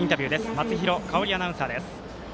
松廣香織アナウンサーです。